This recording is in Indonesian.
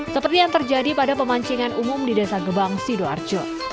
seperti yang terjadi pada pemancingan umum di desa gebang sidoarjo